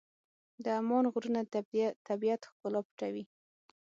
د عمان غرونه د طبیعت ښکلا پټوي.